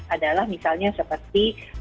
adalah misalnya seperti